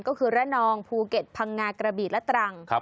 ก็คือระนองภูเก็ตพังงากระบีและตรัง